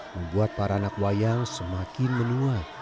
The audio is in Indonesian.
membuat para anak wayang semakin menua